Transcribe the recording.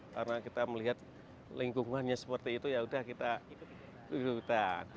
karena kita melihat lingkungannya seperti itu yaudah kita lupitan